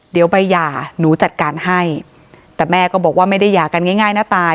เดี๋ยวใบหย่าหนูจัดการให้แต่แม่ก็บอกว่าไม่ได้หย่ากันง่ายนะตาย